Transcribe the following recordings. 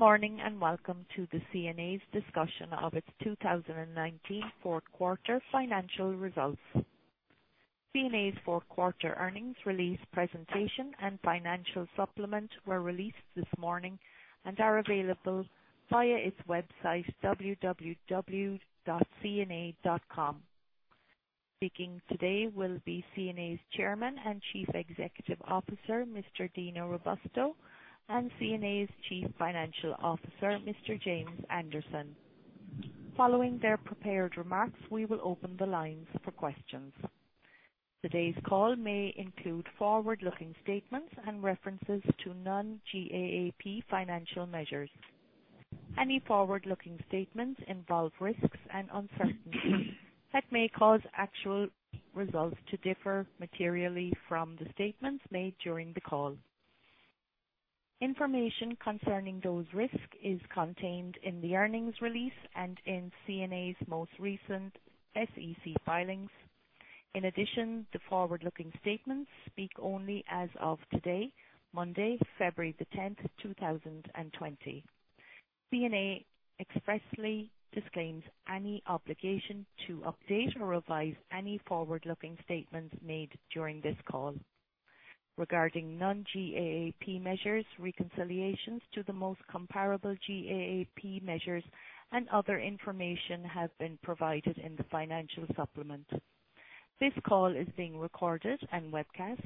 Good morning and welcome to the CNA's discussion of its 2019 fourth quarter financial results. CNA's fourth quarter earnings release presentation and financial supplement were released this morning and are available via its website, www.cna.com. Speaking today will be CNA's Chairman and Chief Executive Officer, Mr. Dino Robusto, and CNA's Chief Financial Officer, Mr. James Anderson. Following their prepared remarks, we will open the lines for questions. Today's call may include forward-looking statements and references to non-GAAP financial measures. Any forward-looking statements involve risks and uncertainties that may cause actual results to differ materially from the statements made during the call. Information concerning those risks is contained in the earnings release and in CNA's most recent SEC filings. In addition, the forward-looking statements speak only as of today, Monday, February the 10th, 2020. CNA expressly disclaims any obligation to update or revise any forward-looking statements made during this call. Regarding non-GAAP measures, reconciliations to the most comparable GAAP measures and other information have been provided in the financial supplement. This call is being recorded and webcast.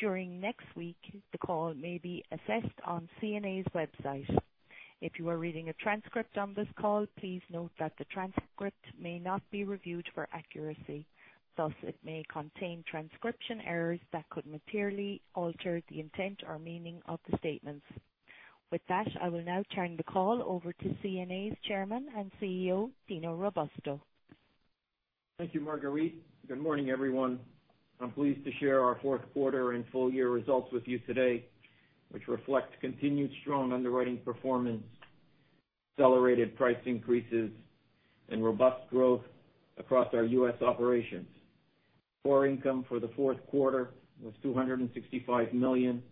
During next week, the call may be accessed on CNA's website. If you are reading a transcript on this call, please note that the transcript may not be reviewed for accuracy. Thus, it may contain transcription errors that could materially alter the intent or meaning of the statements. With that, I will now turn the call over to CNA's Chairman and CEO, Dino Robusto. Thank you Marguerite. Good morning, everyone. I'm pleased to share our fourth quarter and full year results with you today, which reflect continued strong underwriting performance, accelerated price increases, and robust growth across our U.S. operations. Core income for the fourth quarter was $265 million,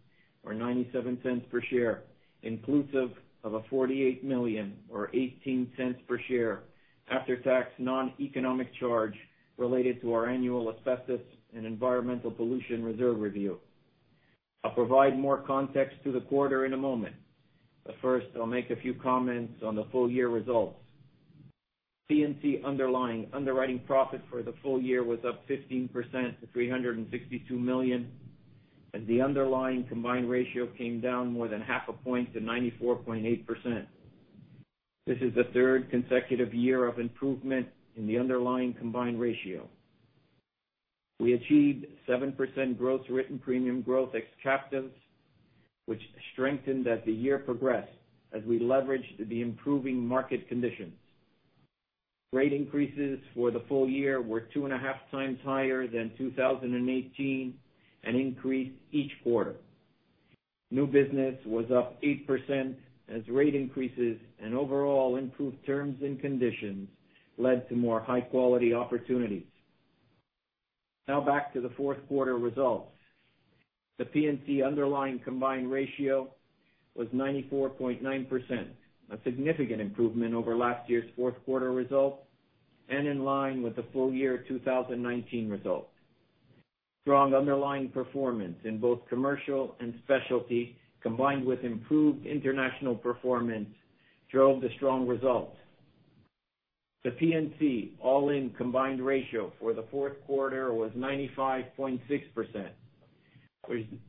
or $0.97 per share, inclusive of a $48 million or $0.18 per share after-tax non-economic charge related to our annual asbestos and environmental pollution reserve review. I'll provide more context to the quarter in a moment, but first, I'll make a few comments on the full-year results. P&C underlying underwriting profit for the full year was up 15% to $362 million, and the underlying combined ratio came down more than half a point to 94.8%. This is the third consecutive year of improvement in the underlying combined ratio. We achieved 7% gross written premium growth ex captives, which strengthened as the year progressed as we leveraged the improving market conditions. Rate increases for the full year were two and a half times higher than 2018 and increased each quarter. New business was up 8% as rate increases and overall improved terms and conditions led to more high-quality opportunities. Back to the fourth quarter results. The P&C underlying combined ratio was 94.9%, a significant improvement over last year's fourth quarter results and in line with the full-year 2019 results. Strong underlying performance in both commercial and specialty, combined with improved international performance, drove the strong results. The P&C all-in combined ratio for the fourth quarter was 95.6%,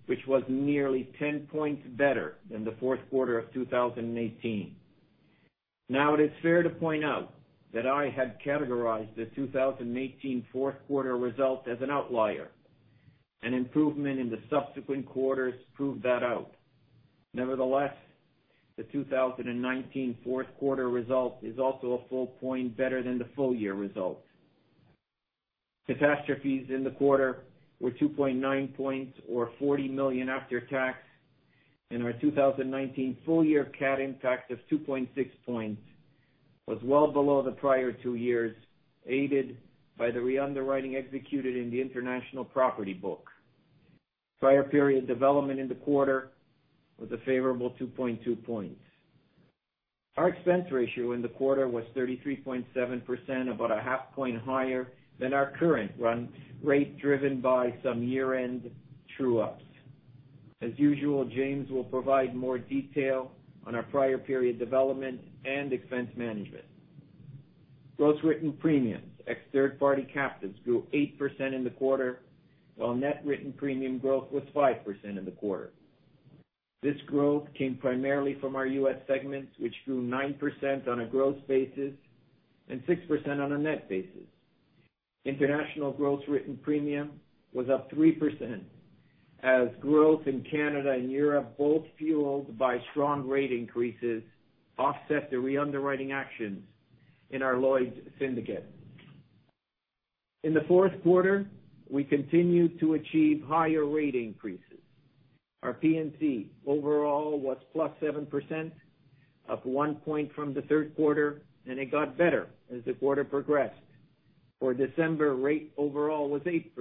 which was nearly 10 points better than the fourth quarter of 2018. It is fair to point out that I had categorized the 2018 fourth quarter result as an outlier, and improvement in the subsequent quarters proved that out. The 2019 fourth quarter result is also a full point better than the full-year results. Catastrophes in the quarter were 2.9 points or $40 million after tax, and our 2019 full-year cat impact of 2.6 points was well below the prior two years, aided by the reunderwriting executed in the international property book. Prior period development in the quarter was a favorable 2.2 points. Our expense ratio in the quarter was 33.7%, about a half point higher than our current run rate, driven by some year-end true-ups. As usual, James will provide more detail on our prior period development and expense management. Gross written premiums, ex third-party captives, grew 8% in the quarter, while net written premium growth was 5% in the quarter. This growth came primarily from our U.S. segments, which grew 9% on a gross basis and 6% on a net basis. International gross written premium was up 3%, as growth in Canada and Europe, both fueled by strong rate increases, offset the reunderwriting actions in our Lloyd's syndicate. In the fourth quarter, we continued to achieve higher rate increases. Our P&C overall was plus 7%, up one point from the third quarter. It got better as the quarter progressed. For December, rate overall was 8%.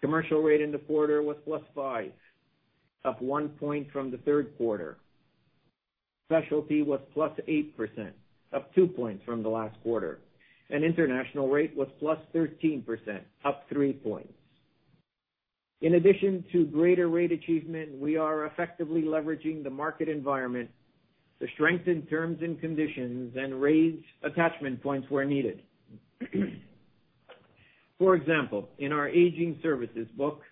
Commercial rate in the quarter was +5%, up one point from the third quarter. Specialty was +8%, up two points from the last quarter. International rate was +13%, up three points. In addition to greater rate achievement, we are effectively leveraging the market environment to strengthen terms and conditions and raise attachment points where needed. For example, in our Aging Services book,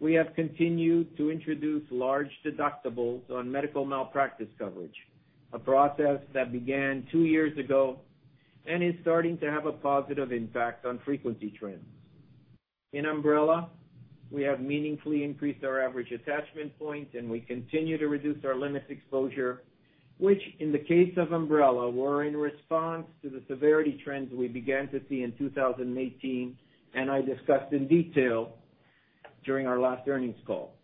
we have continued to introduce large deductibles on medical malpractice coverage, a process that began two years ago and is starting to have a positive impact on frequency trends. In Umbrella, we have meaningfully increased our average attachment points, and we continue to reduce our limits exposure, which in the case of Umbrella, were in response to the severity trends we began to see in 2018, and I discussed in detail during our last earnings call.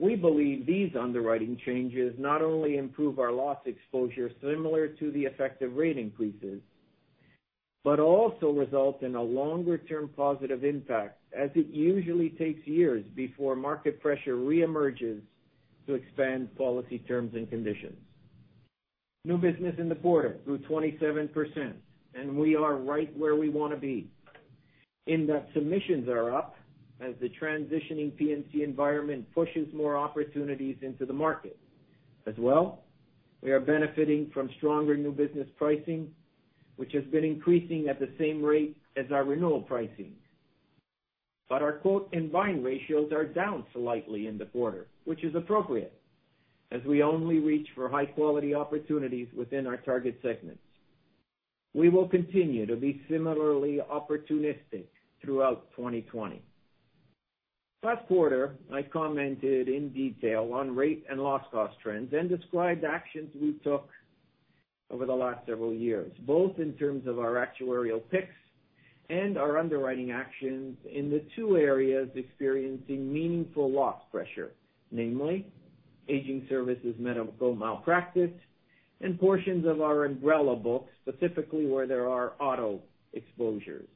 We believe these underwriting changes not only improve our loss exposure similar to the effect of rate increases, but also result in a longer-term positive impact, as it usually takes years before market pressure reemerges to expand policy terms and conditions. New business in the quarter grew 27%, and we are right where we want to be, in that submissions are up as the transitioning P&C environment pushes more opportunities into the market. As well, we are benefiting from stronger new business pricing, which has been increasing at the same rate as our renewal pricing. Our quote and bind ratios are down slightly in the quarter, which is appropriate, as we only reach for high-quality opportunities within our target segments. We will continue to be similarly opportunistic throughout 2020. Last quarter, I commented in detail on rate and loss cost trends and described the actions we took over the last several years, both in terms of our actuarial picks and our underwriting actions in the two areas experiencing meaningful loss pressure, namely Aging Services medical malpractice, and portions of our Umbrella book, specifically where there are auto exposures.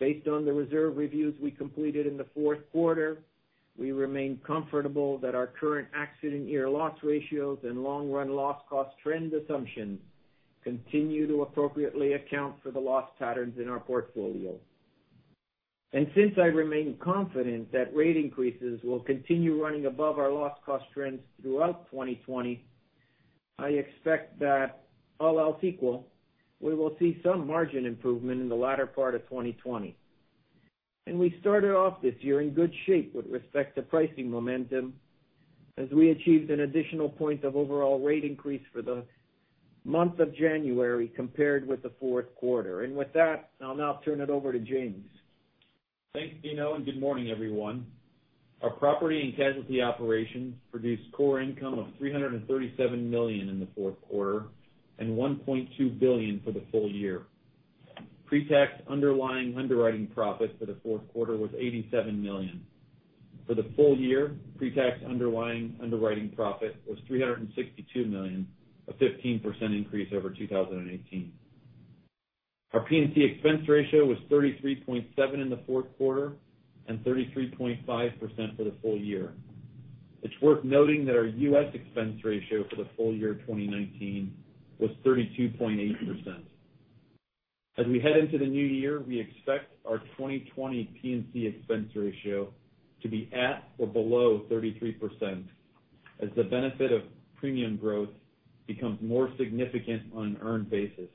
Based on the reserve reviews we completed in the fourth quarter, we remain comfortable that our current accident year loss ratios and long-run loss cost trend assumptions continue to appropriately account for the loss patterns in our portfolio. Since I remain confident that rate increases will continue running above our loss cost trends throughout 2020, I expect that all else equal, we will see some margin improvement in the latter part of 2020. We started off this year in good shape with respect to pricing momentum, as we achieved an additional point of overall rate increase for the month of January compared with the fourth quarter. With that, I'll now turn it over to James. Thanks Dino. Good morning everyone. Our property and casualty operations produced core income of $337 million in the fourth quarter and $1.2 billion for the full year. Pre-tax underlying underwriting profit for the fourth quarter was $87 million. For the full year, pre-tax underlying underwriting profit was $362 million, a 15% increase over 2018. Our P&C expense ratio was 33.7% in the fourth quarter and 33.5% for the full year. It's worth noting that our U.S. expense ratio for the full year 2019 was 32.8%. As we head into the new year, we expect our 2020 P&C expense ratio to be at or below 33% as the benefit of premium growth becomes more significant on an earned basis,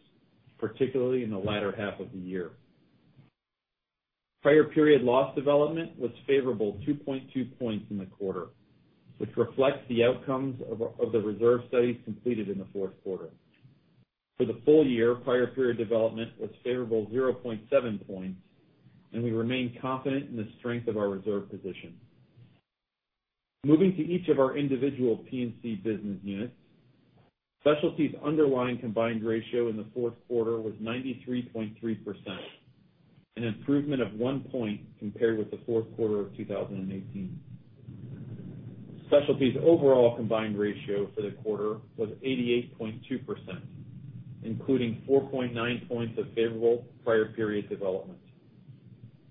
particularly in the latter half of the year. Prior period loss development was favorable 2.2 points in the quarter, which reflects the outcomes of the reserve studies completed in the fourth quarter. For the full year, prior period development was favorable 0.7 points, and we remain confident in the strength of our reserve position. Moving to each of our individual P&C business units. Specialty's underlying combined ratio in the fourth quarter was 93.3%, an improvement of one point compared with the fourth quarter of 2018. Specialty's overall combined ratio for the quarter was 88.2%, including 4.9 points of favorable prior period development.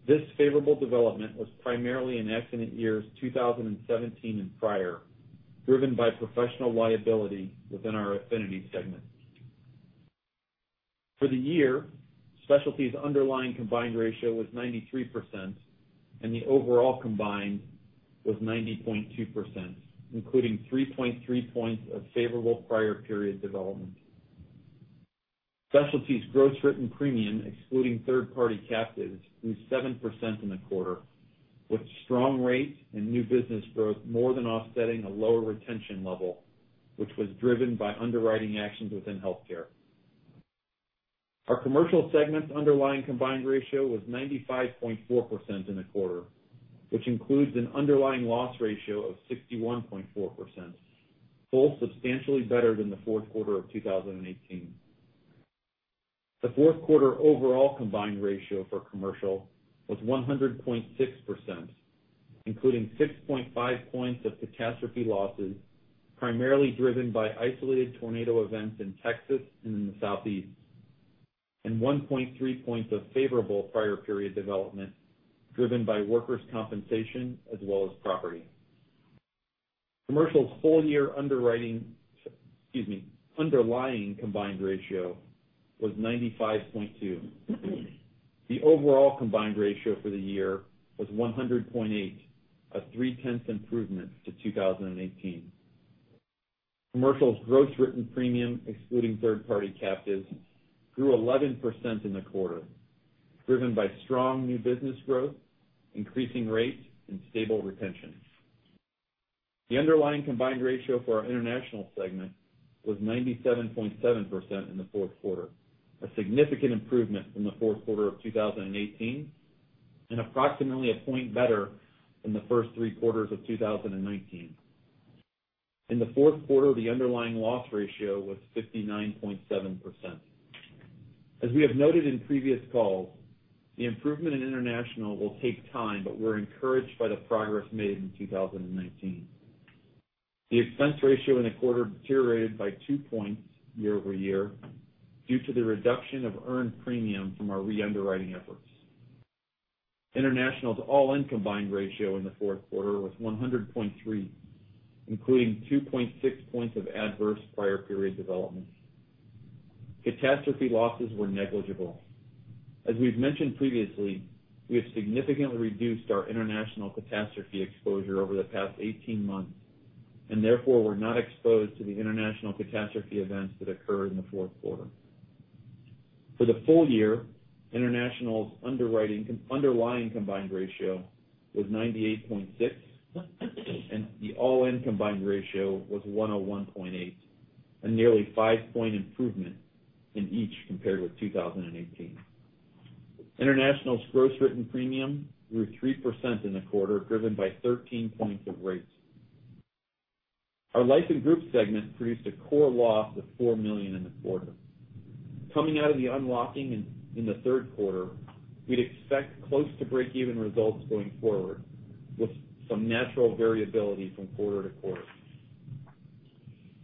This favorable development was primarily in accident years 2017 and prior, driven by professional liability within our Affinity segment. For the year, Specialty's underlying combined ratio was 93%, and the overall combined was 90.2%, including 3.3 points of favorable prior period development. Specialty's gross written premium, excluding third-party captives, grew 7% in the quarter, with strong rates and new business growth more than offsetting a lower retention level, which was driven by underwriting actions within healthcare. Our Commercial segment's underlying combined ratio was 95.4% in the quarter, which includes an underlying loss ratio of 61.4%, both substantially better than the fourth quarter of 2018. The fourth quarter overall combined ratio for Commercial was 100.6%, including 6.5 points of catastrophe losses, primarily driven by isolated tornado events in Texas and in the Southeast. 1.3 points of favorable prior period development driven by workers' compensation as well as property. Commercial's full year underwriting, excuse me, underlying combined ratio was 95.2%. The overall combined ratio for the year was 100.8%, a 0.3% Improvement to 2018. Commercial's gross written premium, excluding third-party captives, grew 11% in the quarter, driven by strong new business growth, increasing rates, and stable retention. The underlying combined ratio for our international segment was 97.7% in the fourth quarter, a significant improvement from the fourth quarter of 2018 and approximately a point better than the first three quarters of 2019. In the fourth quarter, the underlying loss ratio was 59.7%. As we have noted in previous calls, the improvement in international will take time, but we're encouraged by the progress made in 2019. The expense ratio in the quarter deteriorated by 2 points year-over-year due to the reduction of earned premium from our re-underwriting efforts. International's all-in combined ratio in the fourth quarter was 100.3%, including 2.6 points of adverse prior period development. Catastrophe losses were negligible. As we've mentioned previously, we have significantly reduced our international catastrophe exposure over the past 18 months, and therefore were not exposed to the international catastrophe events that occurred in the fourth quarter. For the full year, international's underlying combined ratio was 98.6% and the all-in combined ratio was 101.8%, a nearly 5 point improvement in each compared with 2018. International's gross written premium grew 3% in the quarter, driven by 13 points of rates. Our life and group segment produced a core loss of $4 million in the quarter. Coming out of the unlocking in the third quarter, we'd expect close to break-even results going forward, with some natural variability from quarter to quarter.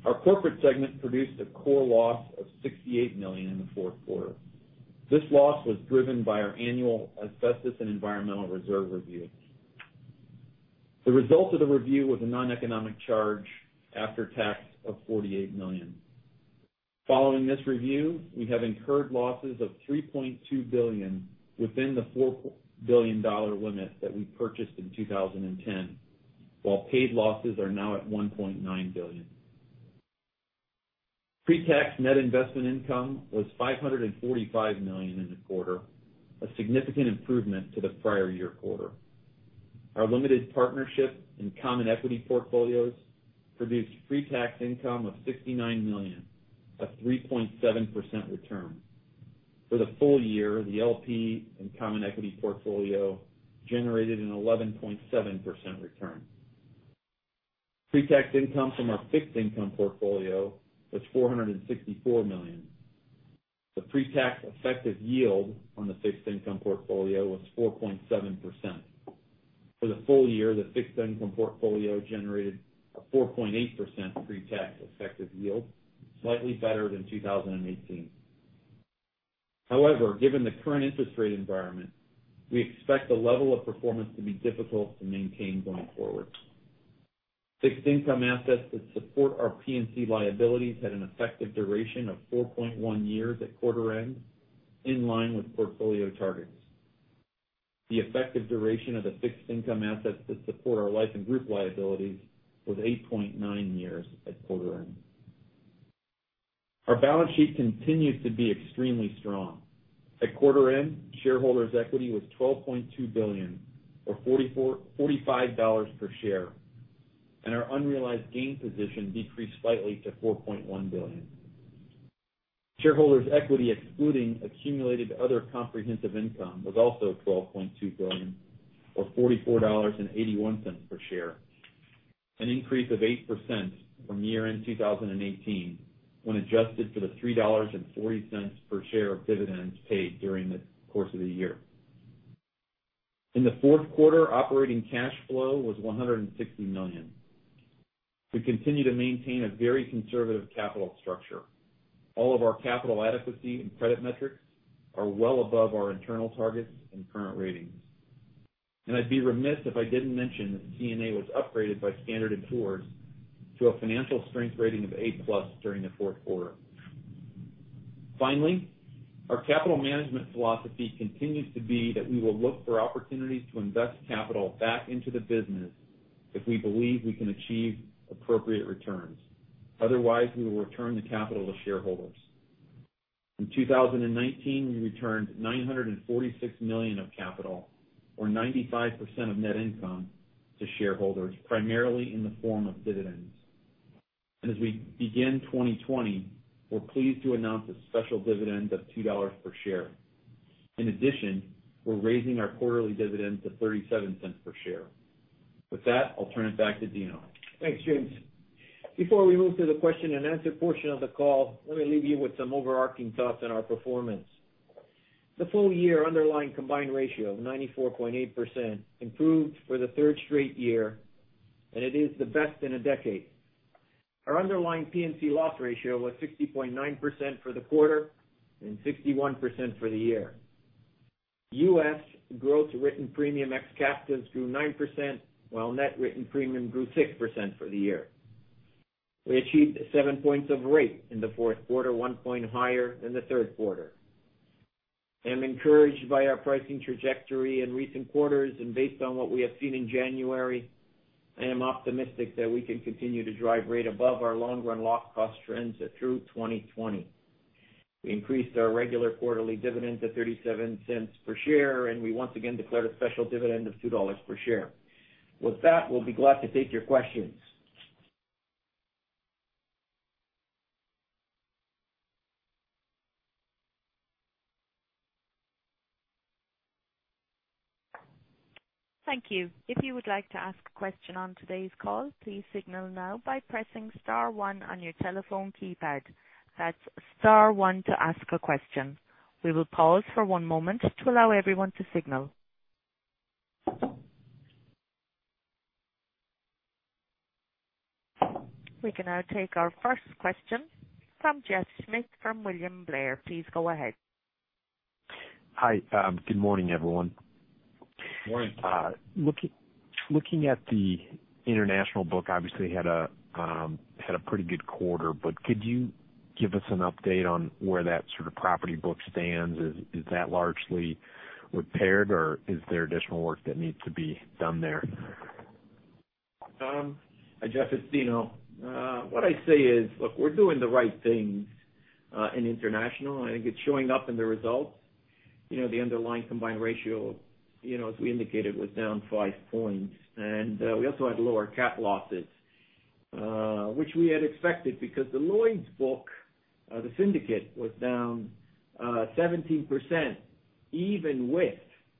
Our corporate segment produced a core loss of $68 million in the fourth quarter. This loss was driven by our annual asbestos and environmental reserve review. The result of the review was a noneconomic charge after tax of $48 million. Following this review, we have incurred losses of $3.2 billion within the $4 billion limit that we purchased in 2010, while paid losses are now at $1.9 billion. Pre-tax net investment income was $545 million in the quarter, a significant improvement to the prior year quarter. Our limited partnership and common equity portfolios produced pre-tax income of $69 million, a 3.7% return. For the full year, the LP and common equity portfolio generated an 11.7% return. Pre-tax income from our fixed income portfolio was $464 million. The pre-tax effective yield on the fixed income portfolio was 4.7%. For the full year, the fixed income portfolio generated a 4.8% pre-tax effective yield, slightly better than 2018. However, given the current interest rate environment, we expect the level of performance to be difficult to maintain going forward. Fixed income assets that support our P&C liabilities had an effective duration of 4.1 years at quarter end, in line with portfolio targets. The effective duration of the fixed income assets that support our life in group liabilities was 8.9 years at quarter end. Our balance sheet continues to be extremely strong. At quarter end, shareholders' equity was $12.2 billion, or $44-$45 per share. And our unrealized gain position decreased slightly to $4.1 billion. Shareholders' equity excluding accumulated other comprehensive income was also $12.2 billion, or $44.81 per share, an increase of 8% from year-end 2018 when adjusted for the $3.40 per share of dividends paid during the course of the year. In the fourth quarter, operating cash flow was $160 million. We continue to maintain a very conservative capital structure. All of our capital adequacy and credit metrics are well above our internal targets and current ratings. I'd be remiss if I didn't mention that CNA was upgraded by Standard & Poor's to a financial strength rating of A+ during the fourth quarter. Finally, our capital management philosophy continues to be that we will look for opportunities to invest capital back into the business if we believe we can achieve appropriate returns. Otherwise, we will return the capital to shareholders. In 2019, we returned $946 million of capital, or 95% of net income to shareholders, primarily in the form of dividends. As we begin 2020, we're pleased to announce a special dividend of $2 per share. In addition, we're raising our quarterly dividend to $0.37 per share. With that, I'll turn it back to Dino. Thanks, James. Before we move to the question and answer portion of the call, let me leave you with some overarching thoughts on our performance. The full year underlying combined ratio of 94.8% improved for the third straight year. It is the best in a decade. Our underlying P&C loss ratio was 60.9% for the quarter and 61% for the year. U.S. gross written premium ex-captives grew 9%, while net written premium grew 6% for the year. We achieved seven points of rate in the fourth quarter, 1 point higher than the third quarter. I am encouraged by our pricing trajectory in recent quarters and based on what we have seen in January, I am optimistic that we can continue to drive rate above our long-run loss cost trends through 2020. We increased our regular quarterly dividend to $0.37 per share. We once again declared a special dividend of $2 per share. With that, we'll be glad to take your questions. Thank you. If you would like to ask a question on today's call, please signal now by pressing star one on your telephone keypad. That's star one to ask a question. We will pause for one moment to allow everyone to signal. We can now take our first question from Jeff Smith from William Blair. Please go ahead. Hi. Good morning everyone. Morning. Looking at the international book, obviously had a pretty good quarter, but could you give us an update on where that sort of property book stands? Is that largely repaired or is there additional work that needs to be done there? Hi, Jeff, it's Dino. What I say is, look, we're doing the right things in international, and I think it's showing up in the results. The underlying combined ratio, as we indicated, was down 5 points. We also had lower cat losses, which we had expected because the Lloyd's book, the syndicate, was down 17% even with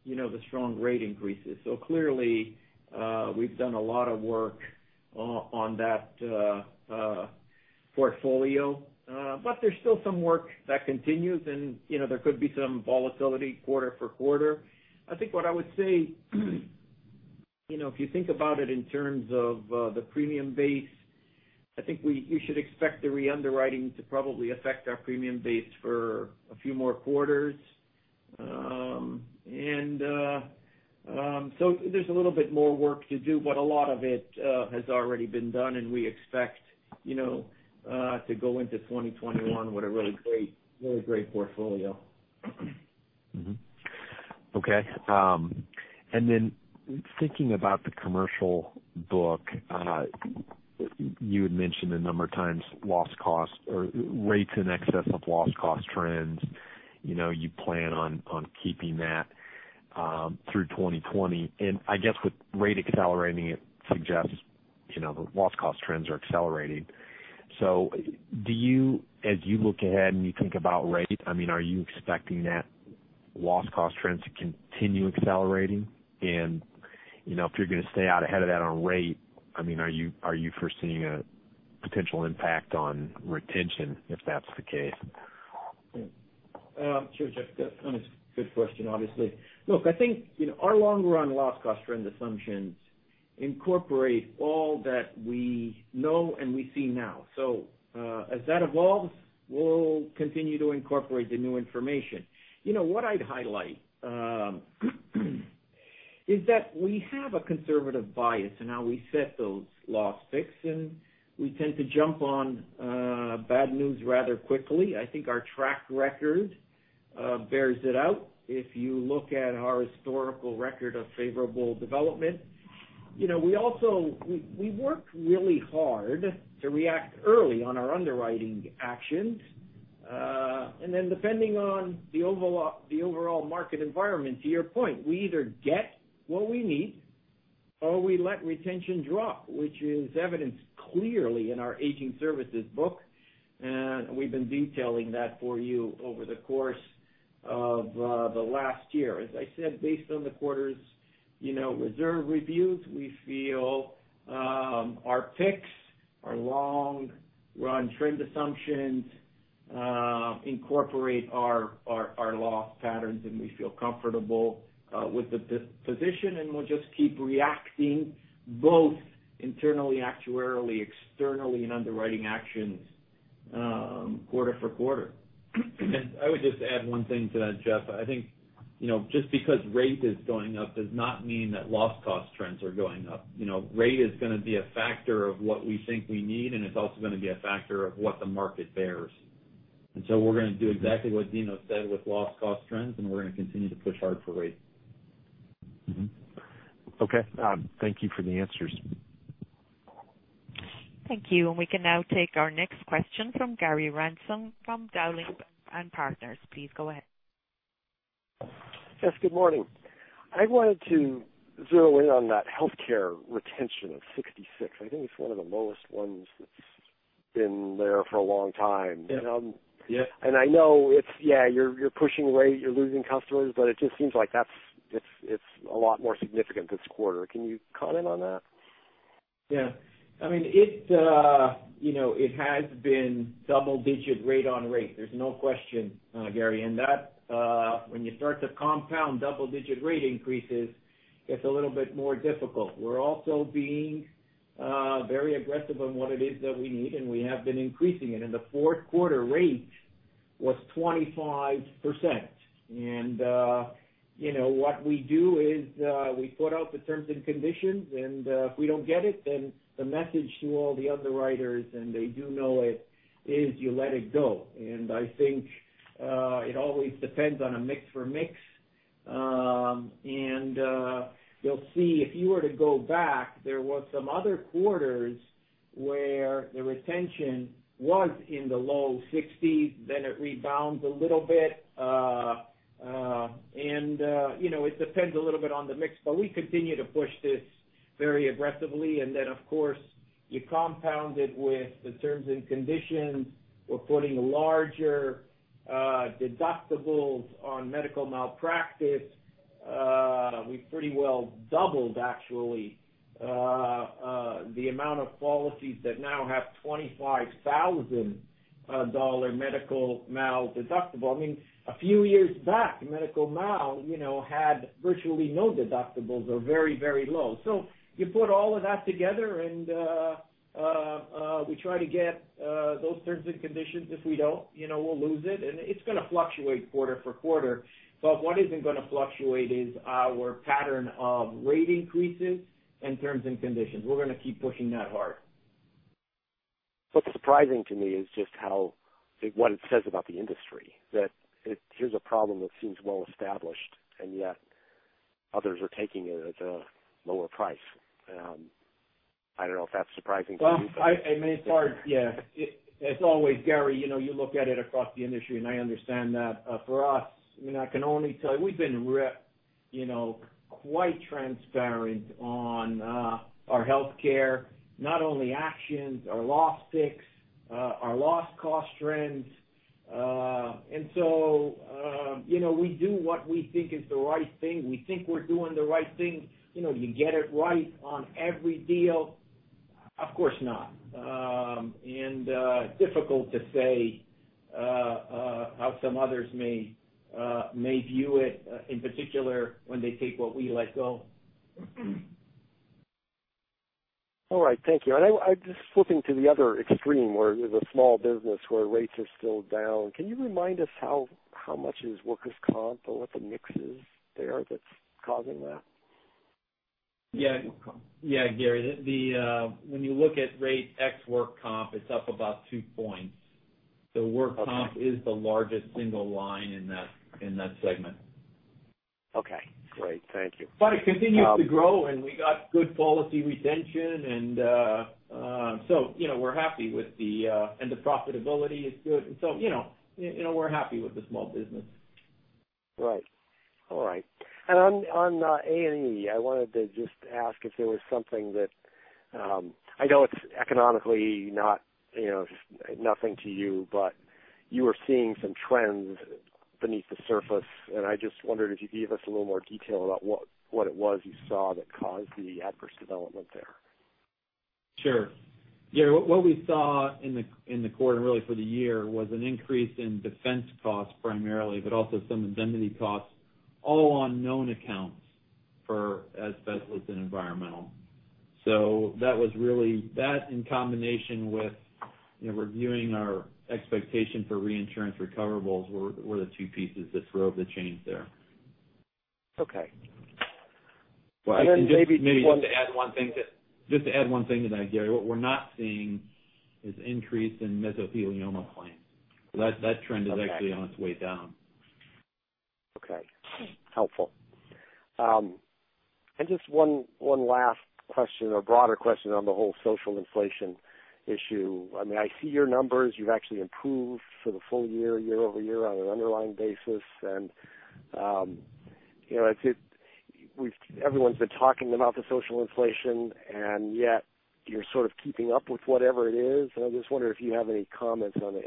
the strong rate increases. Clearly, we've done a lot of work on that portfolio. There's still some work that continues, and there could be some volatility quarter-for-quarter. I think what I would say, if you think about it in terms of the premium base, I think you should expect the reunderwriting to probably affect our premium base for a few more quarters. There's a little bit more work to do, but a lot of it has already been done, and we expect to go into 2021 with a really great portfolio. Okay. Thinking about the Commercial book, you had mentioned a number of times loss cost or rates in excess of loss cost trends. You plan on keeping that through 2020. And I guess with rate accelerating, it suggests the loss cost trends are accelerating. Do you, as you look ahead and you think about rate, are you expecting that loss cost trends to continue accelerating? If you're going to stay out ahead of that on rate, are you foreseeing a potential impact on retention if that's the case? Sure, Jeff, that's a good question, obviously. Look, I think our long-run loss cost trend assumptions incorporate all that we know and we see now. As that evolves, we'll continue to incorporate the new information. What I'd highlight is that we have a conservative bias in how we set those loss fixes, and we tend to jump on bad news rather quickly. I think our track record bears it out if you look at our historical record of favorable development. We work really hard to react early on our underwriting actions. Depending on the overall market environment, to your point, we either get what we need or we let retention drop, which is evidenced clearly in our Aging Services book, and we've been detailing that for you over the course of the last year. As I said, based on the quarter's reserve reviews, we feel our picks, our long-run trend assumptions incorporate our loss patterns, and we feel comfortable with the position, and we'll just keep reacting both internally, actuarially, externally in underwriting actions quarter-for-quarter. I would just add one thing to that, Jeff. I think just because rate is going up does not mean that loss cost trends are going up. Rate is going to be a factor of what we think we need, and it's also going to be a factor of what the market bears. We're going to do exactly what Dino said with loss cost trends, and we're going to continue to push hard for rate. Okay. Thank you for the answers. Thank you. We can now take our next question from Gary Ransom, from Dowling & Partners. Please go ahead. Yes, good morning. I wanted to zero in on that healthcare retention of 66%. I think it's one of the lowest ones that's been there for a long time. Yeah. I know you're pushing rate, you're losing customers, but it just seems like it's a lot more significant this quarter. Can you comment on that? Yeah. It has been double-digit rate-on-rate. There's no question, Gary. When you start to compound double-digit rate increases, it's a little bit more difficult. We're also being very aggressive on what it is that we need, and we have been increasing it. The fourth quarter rate was 25%. What we do is, we put out the terms and conditions, and if we don't get it, then the message to all the underwriters, and they do know it, is you let it go. I think, it always depends on a mix-for-mix. You'll see if you were to go back, there was some other quarters where the retention was in the low 60s, then it rebounds a little bit. It depends a little bit on the mix, but we continue to push this very aggressively. Of course, you compound it with the terms and conditions. We're putting larger deductibles on medical malpractice. We pretty well doubled, actually, the amount of policies that now have $25,000 medical mal deductible. A few years back, medical mal had virtually no deductibles or very low. You put all of that together, and we try to get those terms and conditions. If we don't, we'll lose it. It's going to fluctuate quarter-for-quarter. What isn't going to fluctuate is our pattern of rate increases and terms and conditions. We're going to keep pushing that hard. What's surprising to me is just what it says about the industry, that here's a problem that seems well-established, and yet others are taking it at a lower price. I don't know if that's surprising to you? Well, I mean it's hard, yes. As always, Gary, you look at it across the industry, and I understand that. For us, I can only tell you, we've been ripped quite transparent on our healthcare, not only actions, our loss fix, our loss cost trends. We do what we think is the right thing. We think we're doing the right thing. Do you get it right on every deal? Of course not. Difficult to say how some others may view it, in particular, when they take what we let go. All right. Thank you. Just flipping to the other extreme, where there's a small business where rates are still down, can you remind us how much is workers' comp or what the mix is there that's causing that? Yeah, Gary. When you look at rate ex work comp, it's up about 2 points. Work comp is the largest single line in that segment. Okay, great. Thank you. But it continues to grow, and we got good policy retention, and so we're happy with the-- and the profitability is good. We're happy with the small business. Right. All right. On A&E, I wanted to just ask if there was something that, I know it's economically nothing to you, but you were seeing some trends beneath the surface, and I just wondered if you'd give us a little more detail about what it was you saw that caused the adverse development there. Sure. Yeah, what we saw in the quarter, and really for the year, was an increase in defense costs primarily, but also some indemnity costs, all on known accounts for asbestos and environmental. That in combination with reviewing our expectation for reinsurance recoverables were the two pieces that drove the change there. Okay. Well, I can just maybe add one thing to that, Gary. What we're not seeing is increase in mesothelioma claims. That trend is actually on its way down. Okay. Helpful. Just one last question or broader question on the whole social inflation issue. I see your numbers. You've actually improved for the full year-over-year on an underlying basis. Everyone's been talking about the social inflation, and yet you're sort of keeping up with whatever it is. I just wonder if you have any comments on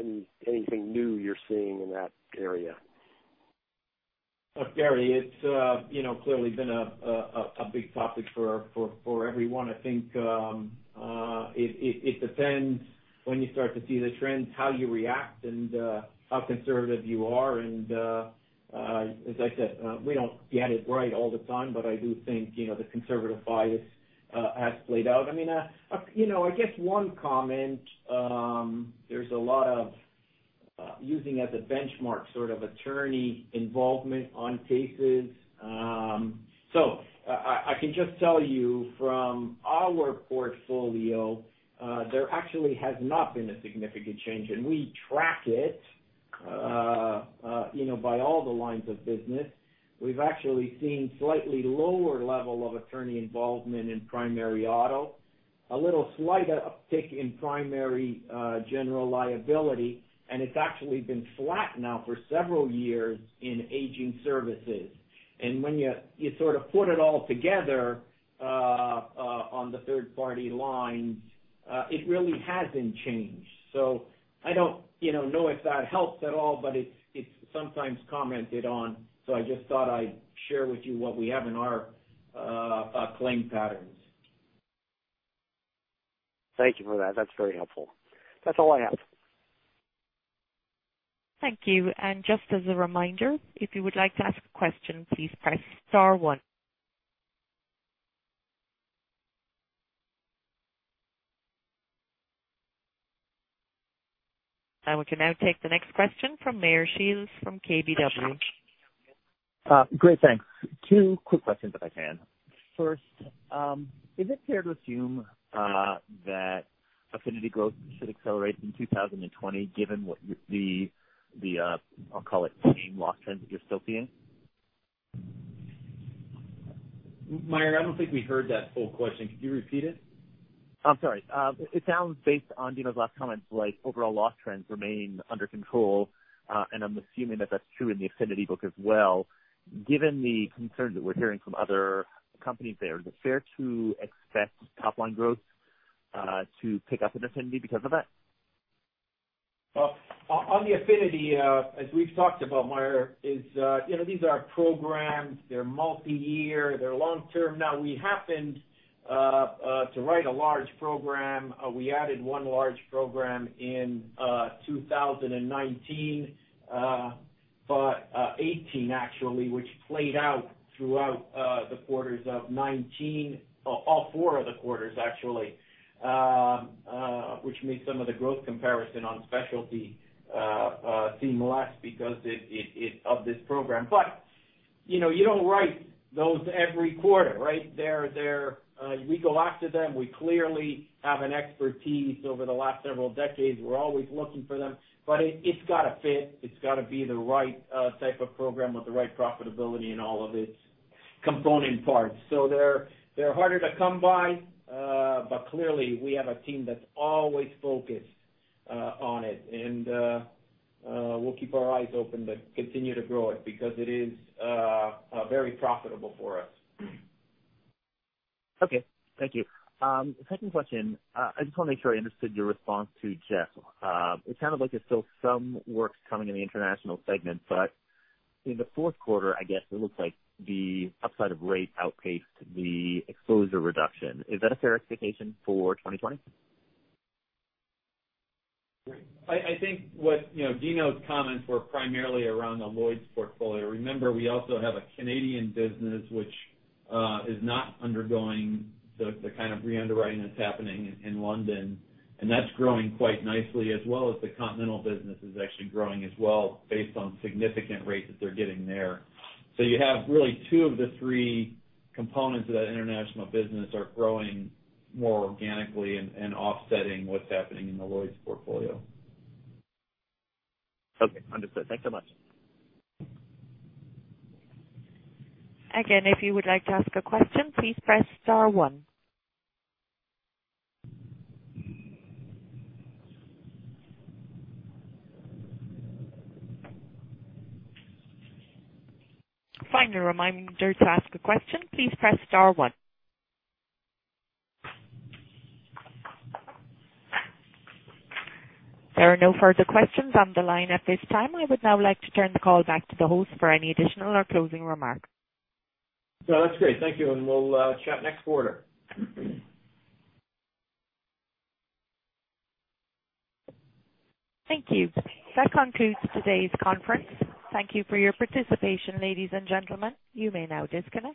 anything new you're seeing in that area. Look, Gary, it's clearly been a big topic for everyone. I think it depends when you start to see the trends, how you react, and how conservative you are. As I said, we don't get it right all the time, but I do think the conservative bias has played out. I guess one comment, there's a lot of using as a benchmark sort of attorney involvement on cases. I can just tell you from our portfolio, there actually has not been a significant change, and we track it by all the lines of business. We've actually seen slightly lower level of attorney involvement in primary auto, a little slighter uptick in primary general liability, and it's actually been flat now for several years in Aging Services. When you sort of put it all together on the third-party lines, it really hasn't changed. I don't know if that helps at all, but it's sometimes commented on, so I just thought I'd share with you what we have in our claim patterns. Thank you for that. That's very helpful. That's all I have. Thank you. Just as a reminder, if you would like to ask a question, please press star one. I will now take the next question from Meyer Shields from KBW. Great, thanks. Two quick questions, if I can. First, is it fair to assume that Affinity growth should accelerate in 2020, given what the, I'll call it, same loss trends that you're still seeing? Meyer, I don't think we heard that whole question. Could you repeat it? I'm sorry. It sounds, based on Dino's last comments, like overall loss trends remain under control, and I'm assuming that that's true in the Affinity book as well. Given the concerns that we're hearing from other companies there, is it fair to expect top-line growth to pick up in Affinity because of that? On the Affinity, as we've talked about, Meyer, these are programs. They're multi-year. They're long-term. We happened to write a large program. We added one large program in 2019, but 2018, actually, which played out throughout the quarters of 2019. All four of the quarters, actually, which made some of the growth comparison on Specialty seem less because of this program. You don't write those every quarter, right? We go after them. We clearly have an expertise over the last several decades. We're always looking for them, but it's got to fit. It's got to be the right type of program with the right profitability in all of its component parts. They're harder to come by, but clearly, we have a team that's always focused on it, and we'll keep our eyes open to continue to grow it because it is very profitable for us. Okay. Thank you. Second question, I just want to make sure I understood your response to Jeff. It sounded like there's still some work coming in the international segment, in the fourth quarter, I guess it looks like the upside of rate outpaced the exposure reduction. Is that a fair expectation for 2020? I think what Dino's comments were primarily around the Lloyd's portfolio. Remember, we also have a Canadian business which is not undergoing the kind of re-underwriting that's happening in London, and that's growing quite nicely, as well as the continental business is actually growing as well based on significant rates that they're getting there. You have really two of the three components of that international business are growing more organically and offsetting what's happening in the Lloyd's portfolio. Okay. Understood. Thanks so much. Again, if you would like to ask a question, please press star one. Final reminder to ask a question, please press star one. There are no further questions on the line at this time. I would now like to turn the call back to the host for any additional or closing remarks. No, that's great. Thank you and we'll chat next quarter. Thank you. That concludes today's conference. Thank you for your participation, ladies and gentlemen. You may now disconnect.